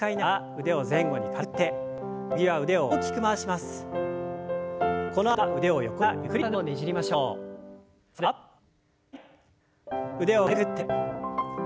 腕を軽く振って。